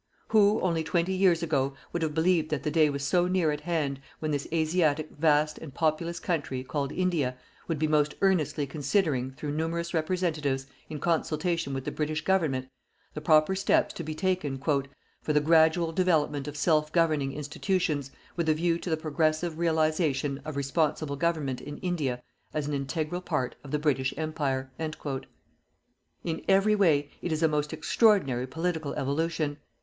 Who, only twenty years ago, would have believed that the day was so near at hand when this Asiatic vast and populous country, called India, would be most earnestly considering, through numerous representatives, in consultation with the British Government, the proper steps to be taken "FOR THE GRADUAL DEVELOPMENT OF SELF GOVERNING INSTITUTIONS WITH A VIEW TO THE PROGRESSIVE REALIZATION OF RESPONSIBLE GOVERNMENT IN INDIA AS AN INTEGRAL PART OF THE BRITISH EMPIRE." In every way, it is a most extraordinary political evolution.